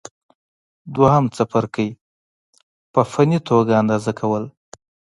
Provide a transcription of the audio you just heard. دوهم څپرکی: په فني توګه اندازه کول